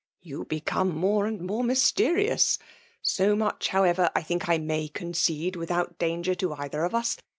'' You become more and more mysterioua. So much, howeyer, I think I may oonedde without danger to either of us.